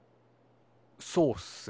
そうっすね。